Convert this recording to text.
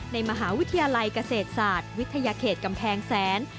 ในมหาวิทยาลัยเกษตรศาสตร์วิทยาเขตกำแพงแสน